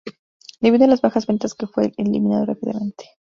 Debido a las bajas ventas que fue eliminado rápidamente.